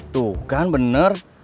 tuh kan bener